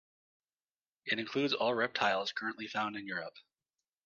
It includes all reptiles currently found in Europe.